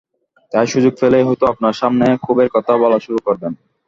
তাই সুযোগ পেলেই হয়তো আপনার সামনে ক্ষোভের কথা বলা শুরু করবেন।